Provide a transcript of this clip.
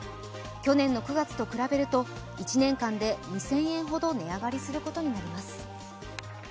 去年の９月と比べると、１年間で２０００円ほど値上がりすることになります。